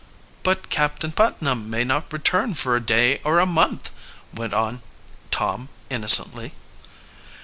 "But Captain Putnam may not return for a day or a month," went on Tom innocently.